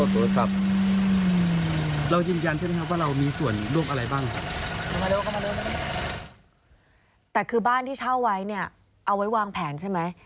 แต่คือบ้านที่เช่าไว้เนี่ยเอาไว้วางแผนใช่ไหม